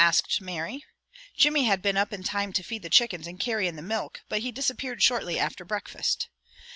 asked Mary. Jimmy had been up in time to feed the chickens and carry in the milk, but he disappeared shortly after breakfast.